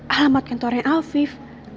alamat kantornya alfif